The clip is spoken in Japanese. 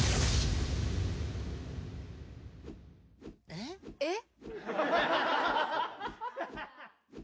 えっ？えっ？